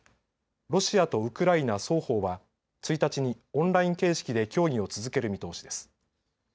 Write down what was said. ロシアとウクライナ双方は１日にオンライン形式で協議を続ける見通しです。